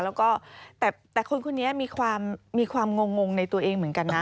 แล้วก็แต่คนคนนี้มีความงงในตัวเองเหมือนกันนะ